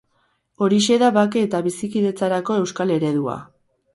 Horixe da bake eta bizikidetzarako euskal eredua.